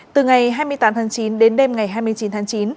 từ ngày hai mươi tám tháng chín đến đêm ngày hai mươi chín tháng chín